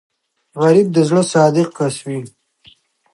غریب د زړه صادق کس وي